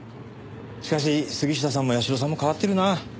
しかし杉下さんも社さんも変わってるな。